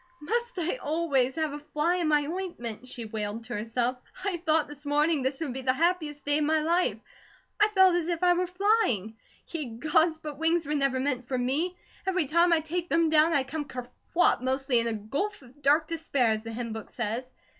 "Must I always have 'a fly in my ointment'?" she wailed to herself. "I thought this morning this would be the happiest day of my life. I felt as if I were flying. Ye Gods, but wings were never meant for me. Every time I take them, down I come kerflop, mostly in a 'gulf of dark despair,' as the hymn book says.